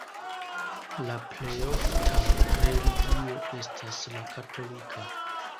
La plej ofta religio estas la katolika.